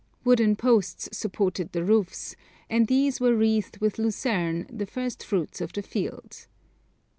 Wooden posts supported the roofs, and these were wreathed with lucerne, the first fruits of the field.